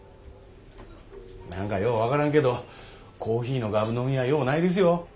何かよう分からんけどコーヒーのガブ飲みはようないですよ。